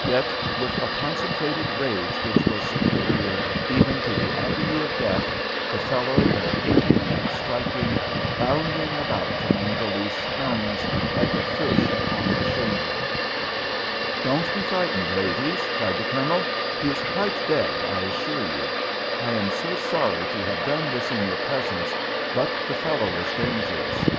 Yet with a concentrated rage, which was superior even to the agony of death, the fellow lay kicking and striking, bounding about among the loose stones like a fish upon the shingle. [Illustration: The Colonel leaned forward with his pistol p247] "Don't be frightened, ladies," cried the Colonel. "He is quite dead, I assure you. I am so sorry to have done this in your presence, but the fellow was dangerous.